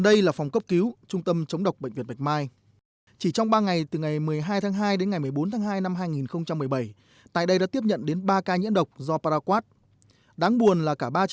đại đạo phẩm thì còn ba mươi thôi thì có cơ hội hồi phục